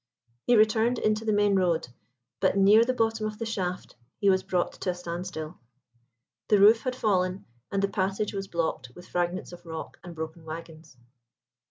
He returned into the main road, but near the bottom of the shaft he was brought to a standstill. The roof had fallen, and the passage was blocked with fragments of rock and broken waggons.